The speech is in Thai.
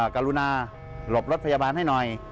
กรุณาหลบรถพยาบาลให้หน่อย